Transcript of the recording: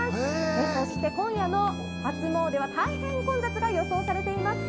そして今夜の初詣は大変な混雑が予想されています。